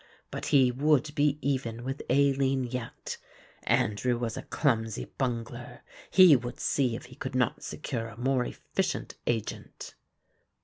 But he would be even with Aline yet; Andrew was a clumsy bungler, he would see if he could not secure a more efficient agent."